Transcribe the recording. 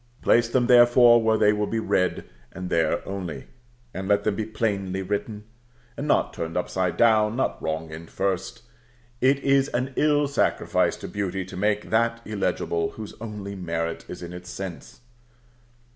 Place them, therefore, where they will be read, and there only; and let them be plainly written, and not turned upside down, nor wrong end first. It is an ill sacrifice to beauty to make that illegible whose only merit is in its sense.